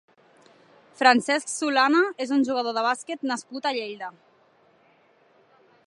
Francesc Solana és un jugador de bàsquet nascut a Lleida.